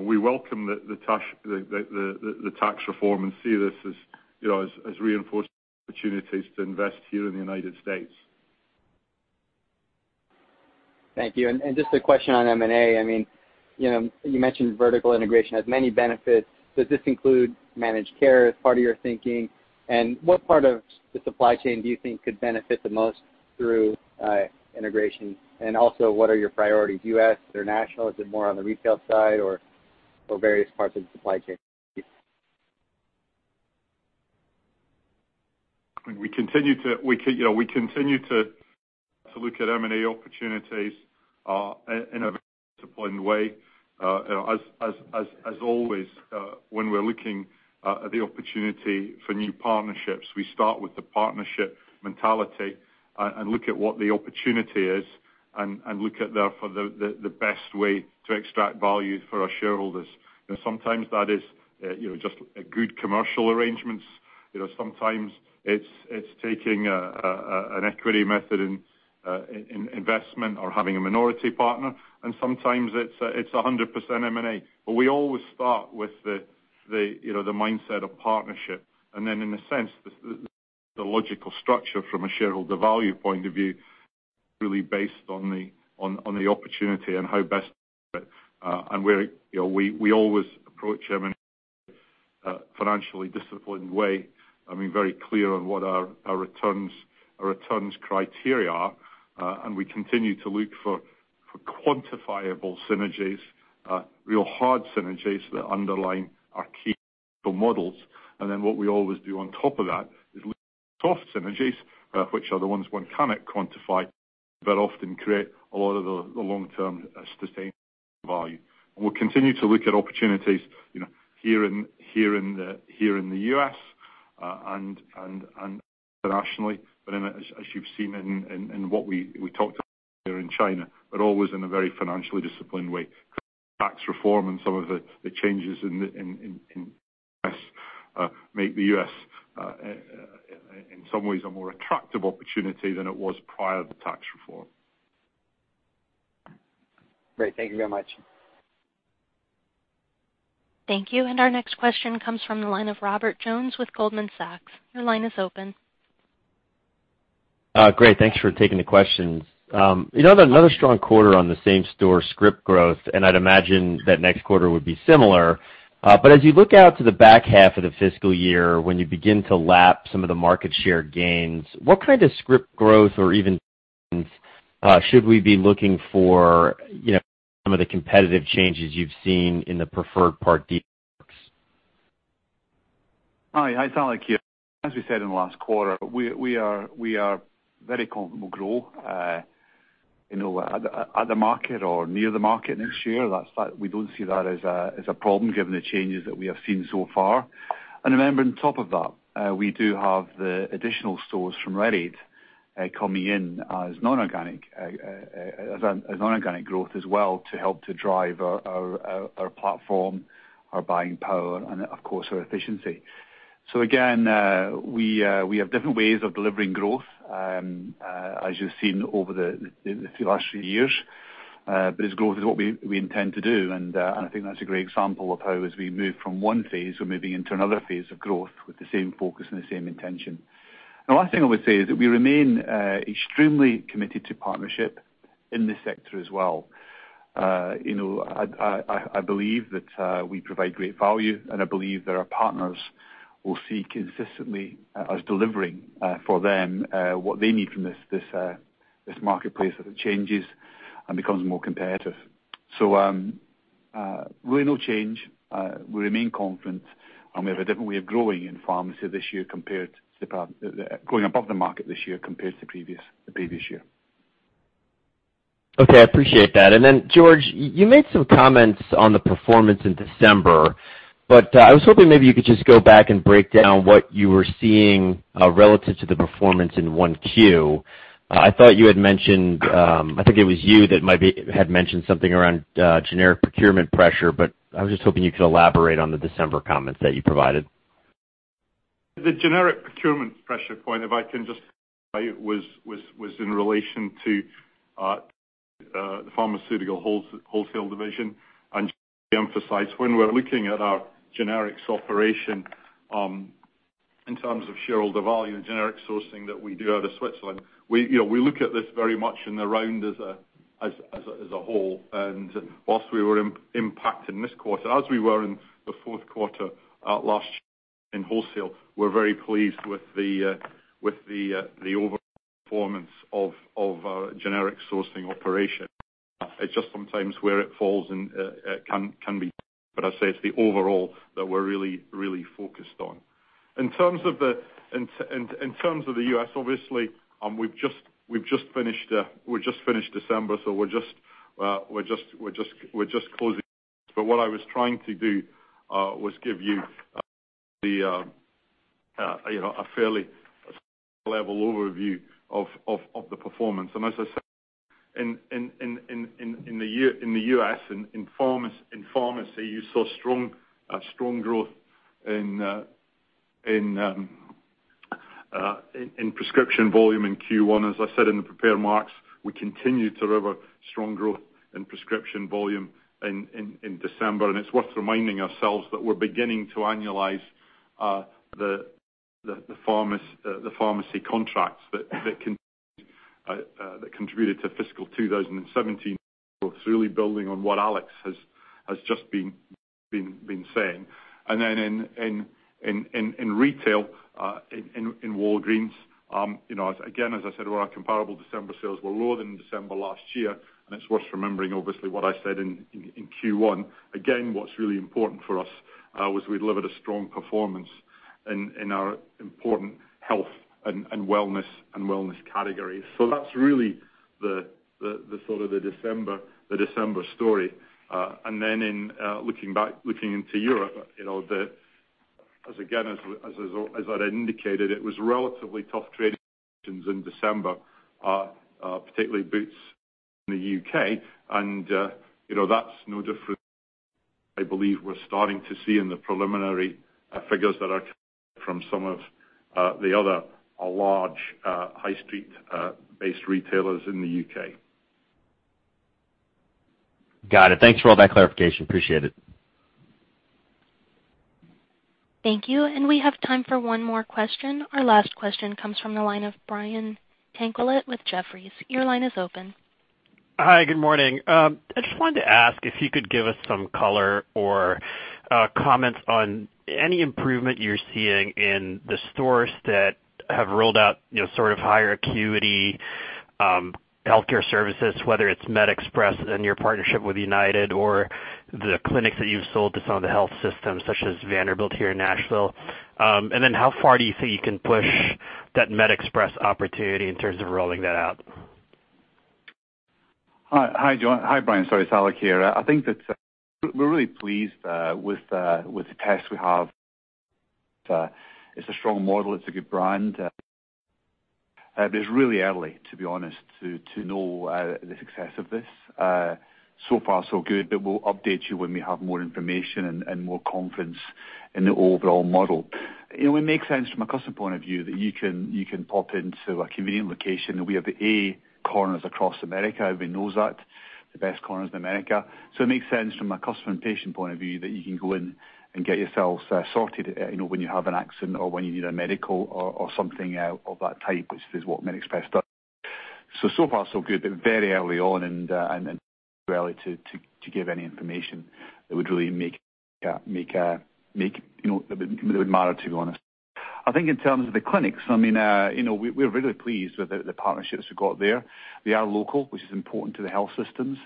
We welcome the tax reform and see this as reinforced opportunities to invest here in the United States. Thank you. Just a question on M&A. You mentioned vertical integration has many benefits. Does this include managed care as part of your thinking? What part of the supply chain do you think could benefit the most through integration? Also, what are your priorities, U.S. or international? Is it more on the retail side or various parts of the supply chain? We continue to look at M&A opportunities in a very disciplined way. As always, when we're looking at the opportunity for new partnerships, we start with the partnership mentality and look at what the opportunity is and look at the best way to extract value for our shareholders. Sometimes that is just a good commercial arrangements. Sometimes it's taking an equity method in investment or having a minority partner, and sometimes it's 100% M&A. We always start with the mindset of partnership, in a sense, the logical structure from a shareholder value point of view, really based on the opportunity and how best to approach it. We always approach M&A in a financially disciplined way. Very clear on what our returns criteria are. We continue to look for quantifiable synergies, real hard synergies that underline our key commercial models. What we always do on top of that is look at soft synergies, which are the ones one cannot quantify, but often create a lot of the long-term sustainable value. We'll continue to look at opportunities here in the U.S. and internationally. As you've seen in what we talked about earlier in China, always in a very financially disciplined way because the tax reform and some of the changes in the U.S. make the U.S., in some ways, a more attractive opportunity than it was prior to tax reform. Great. Thank you very much. Thank you. Our next question comes from the line of Robert Jones with Goldman Sachs. Your line is open. Great. Thanks for taking the questions. Another strong quarter on the same store script growth. I'd imagine that next quarter would be similar. As you look out to the back half of the fiscal year, when you begin to lap some of the market share gains, what kind of script growth or even gains should we be looking for given some of the competitive changes you've seen in the preferred Part D networks? Hi, it's Alex here. As we said in the last quarter, we are very comfortable grow at the market or near the market next year. We don't see that as a problem given the changes that we have seen so far. Remember, on top of that, we do have the additional stores from Rite Aid coming in as non-organic growth as well to help to drive our platform, our buying power, and of course, our efficiency. We have different ways of delivering growth, as you've seen over the last few years. It's growth is what we intend to do, and I think that's a great example of how as we move from one phase, we're moving into another phase of growth with the same focus and the same intention. The last thing I would say is that we remain extremely committed to partnership in this sector as well. I believe that we provide great value, and I believe that our partners will see consistently us delivering for them what they need from this marketplace as it changes and becomes more competitive. Really no change. We remain confident, and we have a different way of growing in pharmacy this year compared to growing above the market this year compared to the previous year. Okay, I appreciate that. George, you made some comments on the performance in December, but I was hoping maybe you could just go back and break down what you were seeing relative to the performance in Q1. I thought you had mentioned, I think it was you that might had mentioned something around generic procurement pressure, but I was just hoping you could elaborate on the December comments that you provided. The generic procurement pressure point, if I can just, was in relation to the Pharmaceutical Wholesale division. To emphasize, when we're looking at our generics operation in terms of shareholder value, generic sourcing that we do out of Switzerland, we look at this very much in the round as a whole. Whilst we were impacted in this quarter, as we were in the fourth quarter last year in wholesale, we're very pleased with the overall performance of our generic sourcing operation. It's just sometimes where it falls and can be, but I say it's the overall that we're really focused on. In terms of the U.S., obviously, we've just finished December, so we're just closing, but what I was trying to do, was give you a fairly level overview of the performance. As I said, in the U.S. and in pharmacy, you saw strong growth in prescription volume in Q1. As I said in the prepared remarks, we continue to deliver strong growth in prescription volume in December. It's worth reminding ourselves that we're beginning to annualize the pharmacy contracts that contributed to fiscal 2017. It's really building on what Alex has just been saying. In retail, in Walgreens, again, as I said, our comparable December sales were lower than December last year, and it's worth remembering, obviously, what I said in Q1. What's really important for us was we delivered a strong performance in our important health and wellness categories. That's really the December story. In looking into Europe, as again as I indicated, it was relatively tough trading in December, particularly Boots in the U.K. That's no different, I believe, we're starting to see in the preliminary figures that are coming from some of the other large high-street based retailers in the U.K. Got it. Thanks for all that clarification. Appreciate it. Thank you. We have time for one more question. Our last question comes from the line of Brian Tanquilut with Jefferies. Your line is open. Hi, good morning. I just wanted to ask if you could give us some color or comments on any improvement you're seeing in the stores that have rolled out higher acuity healthcare services, whether it's MedExpress and your partnership with United or the clinics that you've sold to some of the health systems such as Vanderbilt here in Nashville. Then how far do you think you can push that MedExpress opportunity in terms of rolling that out? Hi, Brian. Sorry, it's Alex here. I think that we're really pleased with the test we have. It's a strong model, it's a good brand. It's really early, to be honest, to know the success of this. So far so good, we'll update you when we have more information and more confidence in the overall model. It would make sense from a customer point of view that you can pop into a convenient location. We have the A corners across America. Everybody knows that. The best corners in America. It makes sense from a customer and patient point of view that you can go in and get yourself sorted when you have an accident or when you need a medical or something of that type, which is what MedExpress does. So far so good, very early on and too early to give any information that would really matter, to be honest. I think in terms of the clinics, we're really pleased with the partnerships we've got there. They are local, which is important to the health systems.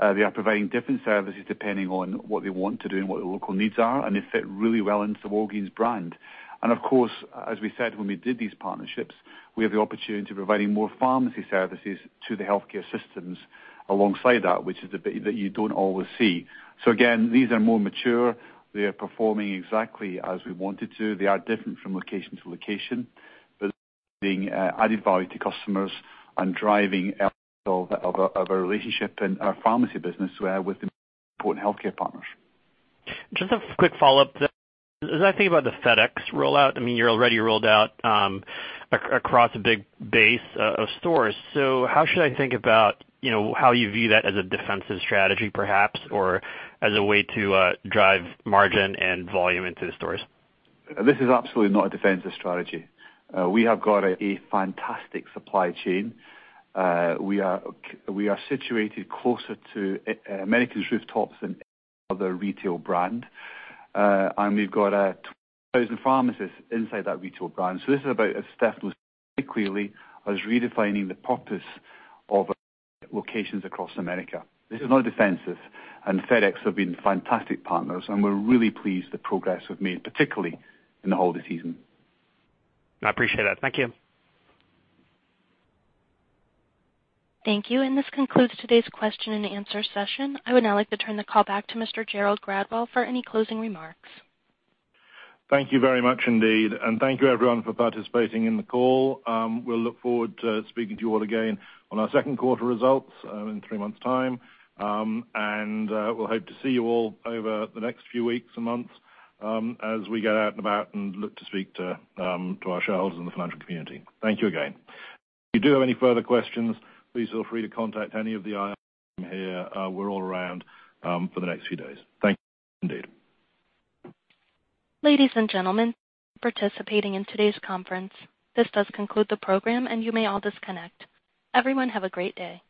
They are providing different services depending on what they want to do and what their local needs are, they fit really well into the Walgreens brand. Of course, as we said when we did these partnerships, we have the opportunity of providing more pharmacy services to the healthcare systems alongside that, which is the bit that you don't always see. Again, these are more mature. They are performing exactly as we want it to. They are different from location to location, being added value to customers and driving our relationship in our pharmacy business with important healthcare partners. Just a quick follow-up. As I think about the FedEx rollout, you're already rolled out across a big base of stores. How should I think about how you view that as a defensive strategy perhaps, or as a way to drive margin and volume into the stores? This is absolutely not a defensive strategy. We have got a fantastic supply chain. We are situated closer to Americans' rooftops than any other retail brand. We've got 20,000 pharmacists inside that retail brand. This is about, as Steph said clearly, redefining the purpose of locations across America. This is not a defensive. FedEx have been fantastic partners, and we're really pleased the progress we've made, particularly in the holiday season. I appreciate that. Thank you. Thank you. This concludes today's question and answer session. I would now like to turn the call back to Mr. Gerald Gradwell for any closing remarks. Thank you very much indeed. Thank you everyone for participating in the call. We'll look forward to speaking to you all again on our second quarter results in three months' time. We'll hope to see you all over the next few weeks and months as we get out and about and look to speak to our shareholders and the financial community. Thank you again. If you do have any further questions, please feel free to contact any of the IR team here. We're all around for the next few days. Thank you, indeed. Ladies and gentlemen, thank you for participating in today's conference. This does conclude the program, and you may all disconnect. Everyone have a great day.